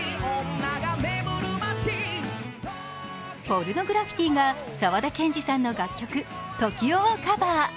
ポルノグラフィティが沢田研二さんの楽曲「ＴＯＫＩＯ」をカバー。